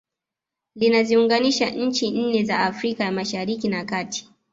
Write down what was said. Linaziunganisha nchi nne za Afrika ya Mashariki na Kati